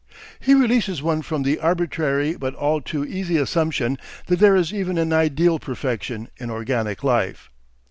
He releases one from the arbitrary but all too easy assumption that there is even an ideal "perfection" in organic life.